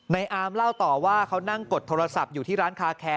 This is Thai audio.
อาร์มเล่าต่อว่าเขานั่งกดโทรศัพท์อยู่ที่ร้านคาแคร์